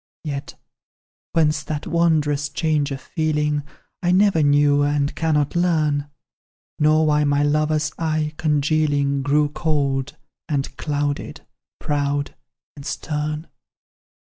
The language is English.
"Yet whence that wondrous change of feeling, I never knew, and cannot learn; Nor why my lover's eye, congealing, Grew cold and clouded, proud and stern.